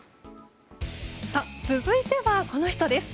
続いてはこの人です。